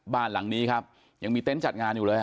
บ้านหลังนี้ครับยังมีเต็นต์จัดงานอยู่เลยฮ